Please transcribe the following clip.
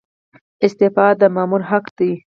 استعفا د مامور حق دی